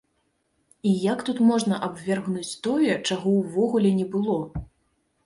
І як тут можна абвергнуць тое, чаго ўвогуле не было?